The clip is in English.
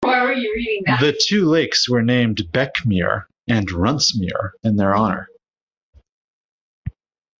The two lakes were named Beckmere and Runtzmere in their honour.